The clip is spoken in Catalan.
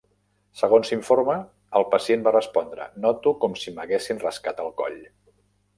Segons s'informa, el pacient va respondre: "Noto com si m'haguessin rascat el coll".